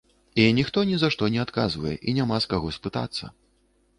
І ніхто ні за што не адказвае, і няма з каго спытацца.